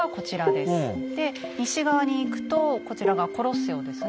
で西側に行くとこちらがコロッセオですね。